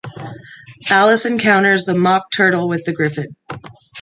Alice encounters the Mock Turtle with the Gryphon.